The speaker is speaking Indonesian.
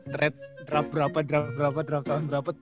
trade draft berapa draft berapa draft tahun berapa tujuh belas deret